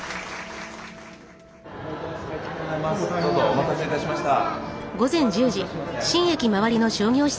お待たせ致しました。